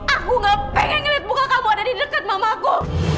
aku gak pengen liat muka kamu ada di deket mamaku